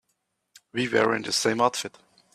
We were in the same outfit.